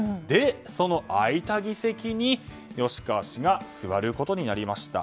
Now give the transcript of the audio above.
その空いた議席に吉川氏が座ることになりました。